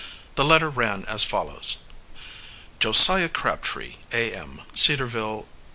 The letter ran as follows: "JOSIAH CRABTREE, A. M., Cedarville, N.